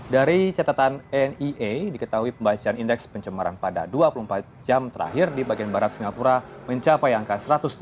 dari catatan nea diketahui pembacaan indeks pencemaran pada dua puluh empat jam terakhir di bagian barat singapura mencapai angka seratus